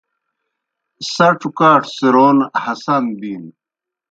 سڇو کاٹھوْ څِرَون ہسان بِینوْ۔